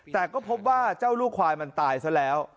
แต่ก็พบว่าเจ้าลูกควายมันตายซะแล้ว